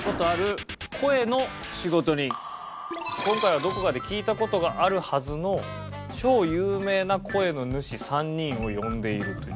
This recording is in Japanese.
今回はどこかで聞いた事があるはずの超有名な声の主３人を呼んでいるという。